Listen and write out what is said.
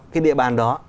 cái địa bàn đó